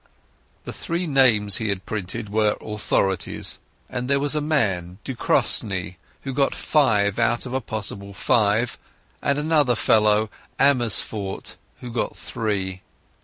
The four names he had printed were authorities, and there was a man, Ducrosne, who got five out of a possible five; and another fellow, Ammersfoort, who got three.